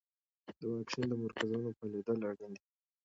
د واکسین د مرکزونو فعالیدل اړین دي.